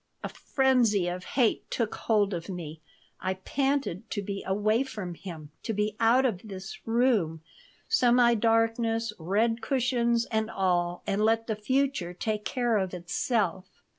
A frenzy of hate took hold of me. I panted to be away from him, to be out of this room, semi darkness, red cushions, and all, and let the future take care of itself.